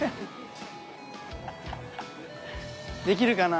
できるかな？